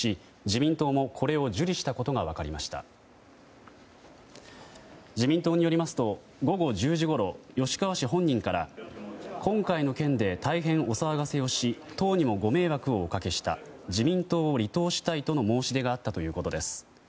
自民党によりますと午後１０時ごろ吉川氏本人から今回の件で大変お騒がせをし党にもご迷惑をおかけした自民党を離党したいとの申し出があったということです。